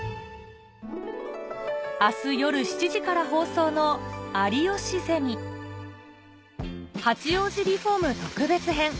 明日夜７時から放送の「八王子リホーム特別編」